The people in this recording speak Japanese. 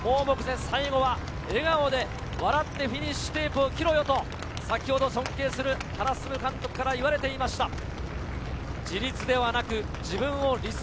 最後は笑顔で笑ってフィニッシュテープを切ろよと尊敬する原晋監督から言われていました。